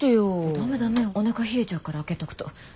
ダメダメおなか冷えちゃうから開けとくと。